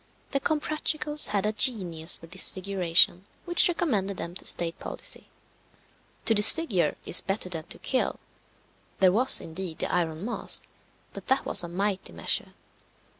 The Comprachicos had a genius for disfiguration which recommended them to state policy. To disfigure is better than to kill. There was, indeed, the Iron Mask, but that was a mighty measure.